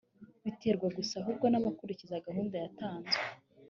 biterwa gusa ahubwo n’abakurikiza gahunda yatanzwe